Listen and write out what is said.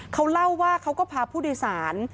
เขาเล่าว่าเขาก็พาผู้โดยสาร